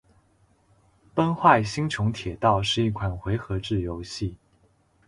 《崩坏：星穹铁道》是一款回合制游戏。